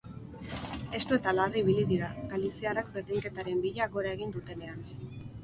Estu eta larri ibili dira, galiziarrak berdinketaren bila gora egin dutenean.